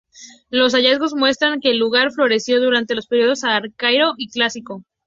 Los hallazgos muestran que el lugar floreció durante los periodos arcaico y clásico.